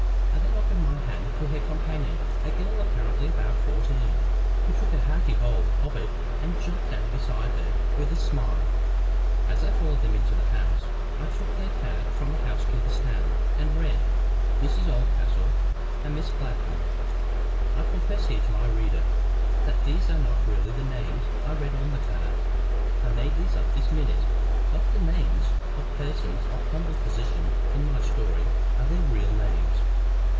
I then offered my hand to her companion, a girl apparently about fourteen, who took a hearty hold of it, and jumped down beside her with a smile. As I followed them into the house, I took their card from the housekeeper's hand, and read, Mrs Oldcastle and Miss Gladwyn. I confess here to my reader, that these are not really the names I read on the card. I made these up this minute. But the names of the persons of humble position in my story are their real names.